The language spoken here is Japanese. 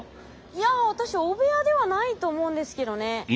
いや私汚部屋ではないと思うんですけどね。